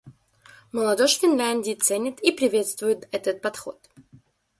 Молодежь Финляндии ценит и приветствует этот подход.